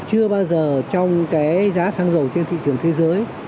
chưa bao giờ trong cái giá xăng dầu trên thị trường thế giới